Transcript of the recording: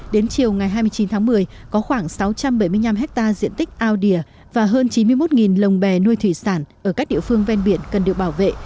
đến chiều ngày hai mươi chín tháng một mươi có khoảng sáu trăm bảy mươi năm hectare diện tích ao đìa và hơn chín mươi một lồng bè nuôi thủy sản ở các địa phương ven biển cần được bảo vệ